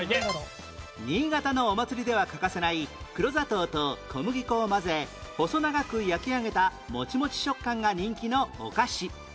新潟のお祭りでは欠かせない黒砂糖と小麦粉を混ぜ細長く焼き上げたモチモチ食感が人気のお菓子